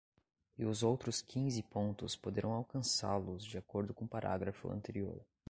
E os outros quinze pontos poderão alcançá-los de acordo com o parágrafo anterior.